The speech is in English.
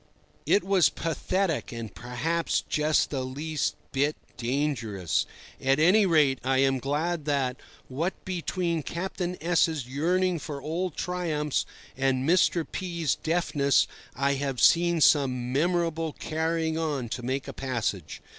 It was pathetic, and perhaps just the least bit dangerous. At any rate, I am glad that, what between Captain S—'s yearning for old triumphs and Mr. P—'s deafness, I have seen some memorable carrying on to make a passage.